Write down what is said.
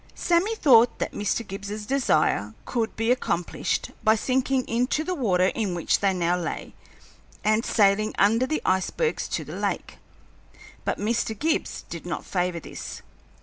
Sammy thought that Mr. Gibbs's desire could be accomplished by sinking into the water in which they now lay and sailing under the icebergs to the lake, but Mr. Gibbs did not favor this.